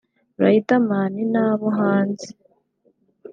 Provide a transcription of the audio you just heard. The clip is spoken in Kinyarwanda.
Riderman n’abo hanze